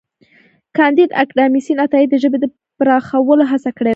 کانديد اکاډميسن عطايي د ژبې د پراخولو هڅه کړې ده.